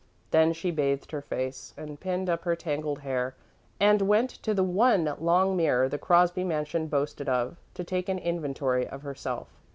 Then she bathed her face, and pinned up her tangled hair, and went to the one long mirror the Crosby mansion boasted of, to take an inventory of herself.